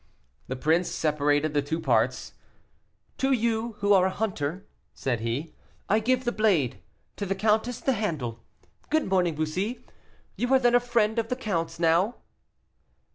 The prince separated the two parts. "To you, who are a hunter," said he, "I give the blade: to the countess, the handle. Good morning, Bussy, you are then a friend of the count's, now?"